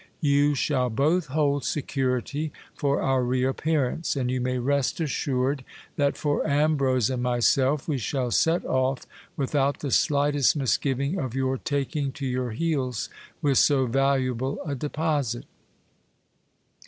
You shall both hold security for our re appearance, and you may rest assured that for Ambrose and myself, we shall set off without the slightest misgiving of your taking to your heels with so valuable a deposit.